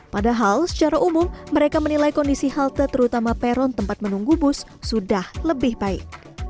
padahal secara umum mereka menilai kondisi halte terutama peron tempat menunggu bus sudah lebih baik